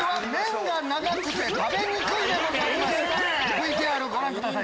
ＶＴＲご覧ください。